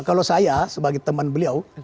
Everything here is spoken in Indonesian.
kalau saya sebagai teman beliau